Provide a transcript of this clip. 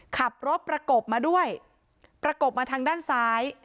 ขับรถประกบมาด้วยประกบมาทางด้านซ้าย